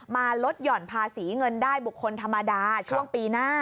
มาลดหย่อนภาษีเงินได้บุคคลธรรมดาช่วงปีหน้า